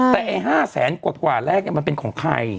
แต่๕๐๐๐๐๐กว่าแรกมันเป็นของใคร